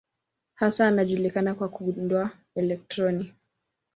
Hasa anajulikana kwa kugundua elektroni.